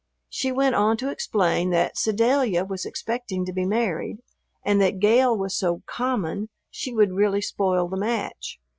She went on to explain that Sedalia was expecting to be married and that Gale was so "common" she would really spoil the match.